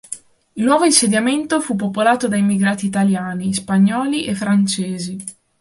Il nuovo insediamento fu popolato da immigrati italiani, spagnoli e francesi.